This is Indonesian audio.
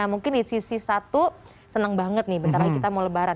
mungkin di sisi satu senang banget nih bentar lagi kita mau lebaran